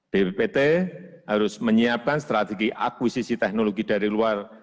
bppt harus menyiapkan strategi akuisisi teknologi dari luar